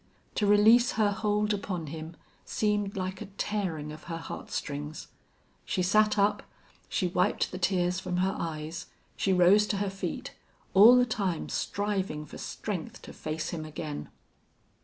To release her hold upon him seemed like a tearing of her heartstrings. She sat up, she wiped the tears from her eyes, she rose to her feet, all the time striving for strength to face him again.